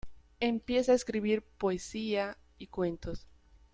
Empieza a escribir poesía y cuentos.